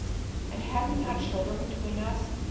and had we not children between us?